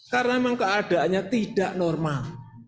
karena memang keadaannya tidak normal